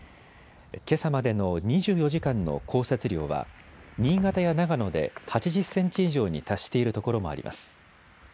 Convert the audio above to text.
けさまでの２４時間の降雪量は新潟や長野で８０センチ以上に達しているところもあります。